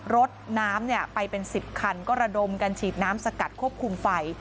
รถน้ำไปเป็น๑๐คันก็ระดมกันฉีดน้ำสกัดควบคุมไฟ